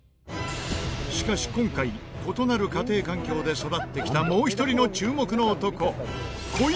しかし今回異なる家庭環境で育ってきたもう一人の注目の男。